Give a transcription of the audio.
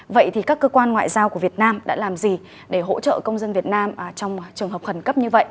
vậy thì các cơ quan ngoại giao của việt nam đã làm gì để hỗ trợ công dân việt nam trong trường hợp khẩn cấp như vậy